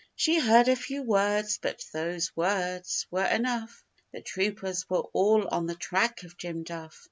She heard a few words, but those words were enough The troopers were all on the track of Jim Duff.